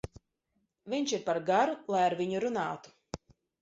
Viņš ir par garu, lai ar viņu runātu.